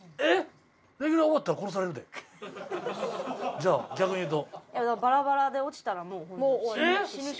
じゃあ逆に言うと。